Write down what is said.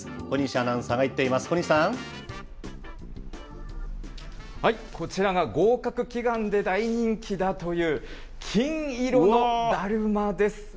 小西アナウンサーが行っています、こちらが合格祈願で大人気だという、金色のだるまです。